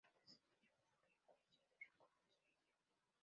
Rates es la mayor freguesía del "concelho".